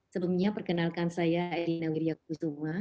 sebelumnya perkenalkan saya elina wiryakusuma